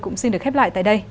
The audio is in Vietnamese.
cũng xin được khép lại tại đây